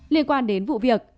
liên quan đến vụ việc